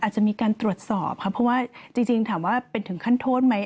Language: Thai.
อาจจะมีการตรวจสอบค่ะเพราะว่าจริงถามว่าเป็นถึงขั้นโทษไหม